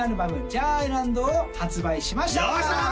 「ジャアイランド」を発売しましたよっしゃ！